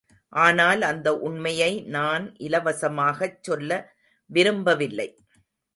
ஆனால் அந்த உண்மையை நான் இலவசமாகச் சொல்ல விரும்பவில்லை.